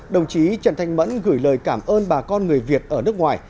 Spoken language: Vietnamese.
đồng chí trần thanh mẫn gửi lời cảm ơn bà con người việt ở nước ngoài